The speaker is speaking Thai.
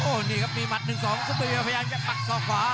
โอ้โหนี่ครับมีมัด๑๒ซุปเปอร์เบียร์พยายามจะปักซอบขวา